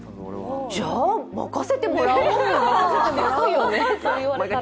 じゃあ、任せてもらおうか。